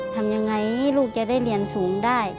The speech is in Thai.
ทำยังไงลูกจะได้เรียนสูงได้